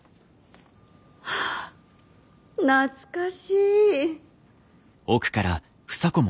懐かしい。